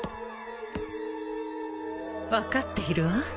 分かっているわ。